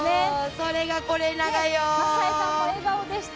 それがこれながよ。